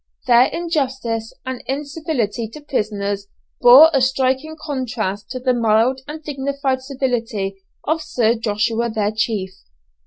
Their injustice and incivility to prisoners bore a striking contrast to the mild and dignified civility of Sir Joshua their chief.